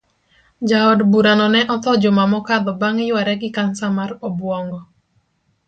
Jaod burano ne otho juma mokadho bang yuare gi cancer mar obuongo.